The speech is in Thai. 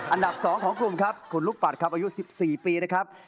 อันดับ๒ของกลุ่มครับคุณลูกปัดครับอายุ๑๔ปีนะครับ